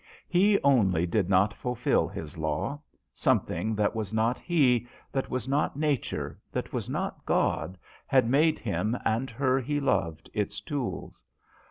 He only did not fulfil his law ; some thing that was not he, that was not nature, that was not God, had made him and her he loved its tools.